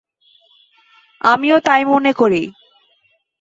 আমিও তাই মনে করি।